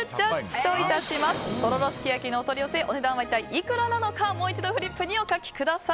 とろろすき焼きのお取り寄せお値段は一体いくらなのかもう一度フリップにお書きください。